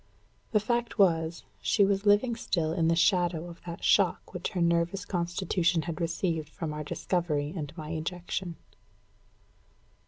The fact was, she was living still in the shadow of that shock which her nervous constitution had received from our discovery and my ejection.